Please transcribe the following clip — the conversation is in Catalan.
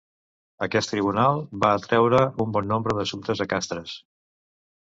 Aquest tribunal va atreure un bon nombre d'assumptes a Castres.